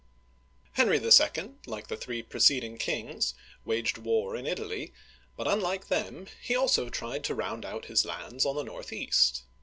Henry II., like the three preceding kings, waged war in Italy, but unlike them, he also tried to round out his lands on the northeast.